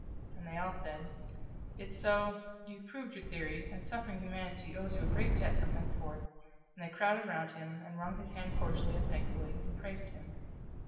And they all said: "It's so you've proved your theory, and suffering humanity owes you a great debt from henceforth," and they crowded around him, and wrung his hand cordially and thankfully, and praised him.